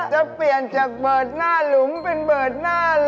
จะเปลี่ยนจากเบิร์ดหน้าหลุมเป็นเบิดหน้า